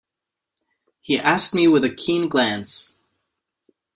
he asked me with a keen glance.